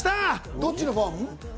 どっちのファン？